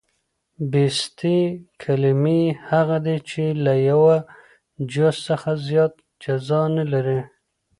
بسیطي کلیمې هغه دي، چي له یوه جز څخه زیات اجزا نه لري.